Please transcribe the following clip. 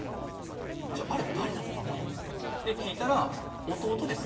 じゃああれ誰だったんだろうって聞いたら「弟です」